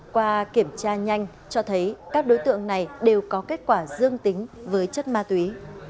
qua kiểm tra nhanh cho thấy các đối tượng này đều có kết quả dương tính với chất ma túy